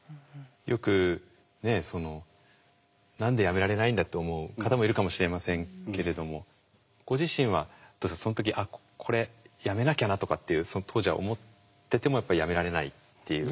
よくねその何でやめられないんだって思う方もいるかもしれませんけれどもご自身はその時あっこれやめなきゃなとかっていうその当時は思っててもやっぱりやめられないっていう。